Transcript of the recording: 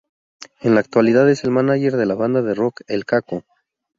En la actualidad es el mánager de la banda de rock El Caco.